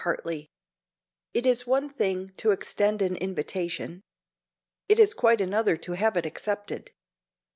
[Illustration: 9018] It is one thing to extend an invitation. It is quite another to have it accepted.